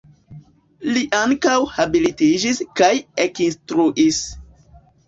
Li ankaŭ habilitiĝis kaj ekinstruis.